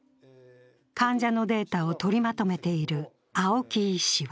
患者のデータを取りまとめている青木医師は